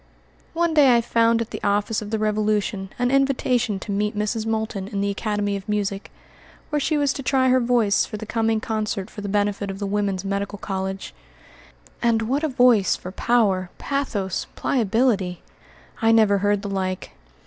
One day I found at the office of the Revolution an invitation to meet Mrs. Moulton in the Academy of Music, where she was to try her voice for the coming concert for the benefit of the Woman's Medical College. And what a voice for power, pathos, pliability! I never heard the like.